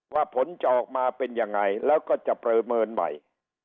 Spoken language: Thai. ผลจะออกมาเป็นยังไงแล้วก็จะประเมินใหม่